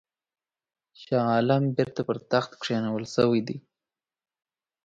شاه عالم بیرته پر تخت کښېنول سوی دی.